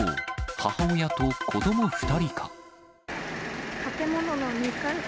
母親と子ども２人か。